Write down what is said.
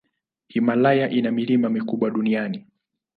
Himalaya ina milima mikubwa duniani.